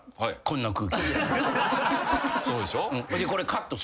そうでしょ？